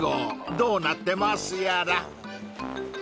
［どうなってますやら］